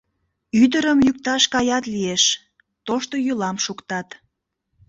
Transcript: Ӱдырым йӱкташ каят лиеш, тошто йӱлам шуктат.